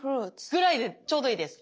ぐらいでちょうどいいです。